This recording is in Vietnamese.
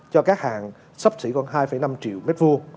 cho các hàng sắp xỉ còn hai năm triệu m hai